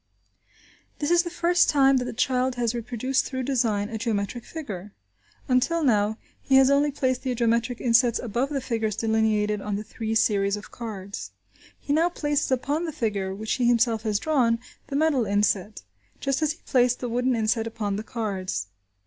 This is the first time that the child has reproduced through design, a geometric figure. Until now, he has only placed the geometric insets above the figures delineated on the three series of cards. He now places upon the figure, which he himself has drawn, the metal inset, just as he placed the wooden inset upon the cards.